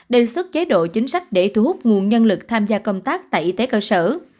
đề xuất chế độ chính sách để thu hút nguồn nhân lực tham gia công tác tại y tế cơ sở